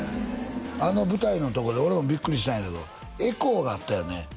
あの舞台のとこで俺もビックリしたんやけどエコーがあったよね